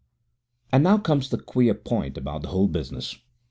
< 4 > And now comes the queer point about the whole business.